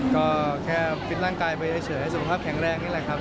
ก็แค่ฟิตร่างกายไปเฉยให้สุขภาพแข็งแรงนี่แหละครับ